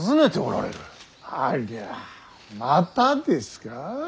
ありゃまたですか。